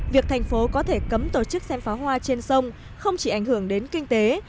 việc thành phố có thể cấm tổ chức xem pháo hoa trên sông không chỉ ảnh hưởng đến kinh tế